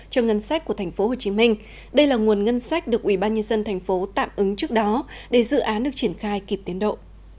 cho ngân sách của tp hcm đây là nguồn ngân sách được ubnd tp hcm tạm ứng trước đó để dự án được triển khai kịp tiến độ